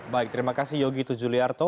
baik terima kasih yogi tujuliarto